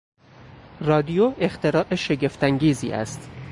رادیو اختراع شگفتانگیزی است.